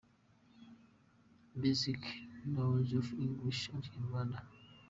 Basic knowledge of English and Kinyarwanda.